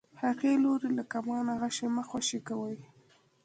هغې لورې له کمانه غشی مه خوشی کوئ.